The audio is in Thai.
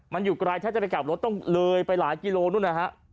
มันอยู่ไกลถ้าจะไปกลับรถต้องเลยไปหลายกิโลนู่นนะฮะ